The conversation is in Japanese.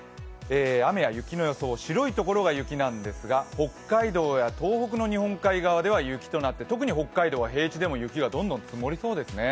雨や雪の予想、白いところが雪なんですが北海道や東北の日本海側では雪となって特に北海道は平地でも雪がどんどん積もりそうですね。